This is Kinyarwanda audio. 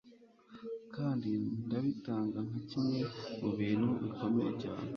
kandi ndabitanga Nka kimwe mu bintu bikomeye cyane